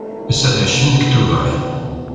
Ass-a d ɛecrin deg Tubeṛ.